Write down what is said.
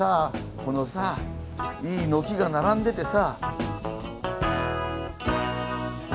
このさいい軒が並んでてさ。